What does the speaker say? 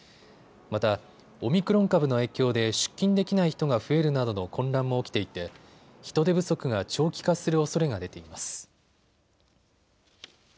また、オミクロン株の影響で出勤できない人が増えるなどの混乱も起きていて人手不足が長期化するおそれが出ています。